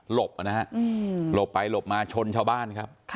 บนะฮะหลบไปหลบมาชนชาวบ้านครับ